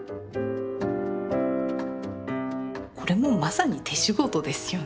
これもまさに手仕事ですよね。